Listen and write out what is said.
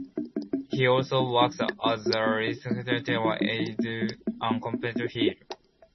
He also worked as a legislative aide on Capitol Hill.